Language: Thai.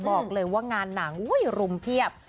บอกเลยว่างานหนังรุมเพียบ